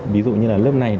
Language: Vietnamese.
ví dụ như là lớp này